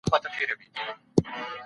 ټول شیان په خپلو ځانګړو نومونو یادیږي.